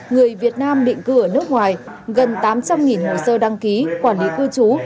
người việt nam định cư ở nước ngoài gần tám trăm linh hồ sơ đăng ký quản lý cư trú